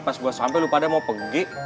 pas gue sampe lu pada mau pergi